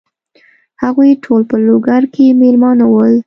هغوی ټول په لوګر کې مېلمانه ول.